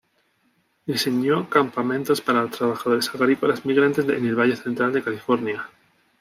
Diseñó campamentos para los trabajadores agrícolas migrantes en el Valle Central de California.